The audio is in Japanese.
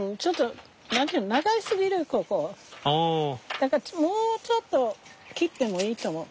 だからもうちょっと切ってもいいと思う。